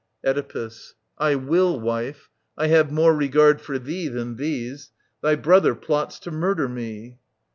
Oedipus. I will, wife. I have more regard for thee Than these. — Thy brother plots to murder me.